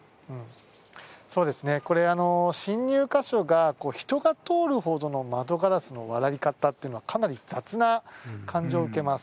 そうですね、これ、侵入箇所が人が通るほどの窓ガラスの割られ方っていうのはかなり雑な感じを受けます。